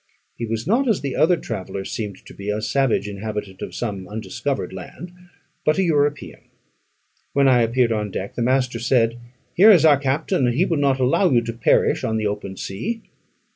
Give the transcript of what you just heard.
He was not, as the other traveller seemed to be, a savage inhabitant of some undiscovered island, but an European. When I appeared on deck, the master said, "Here is our captain, and he will not allow you to perish on the open sea."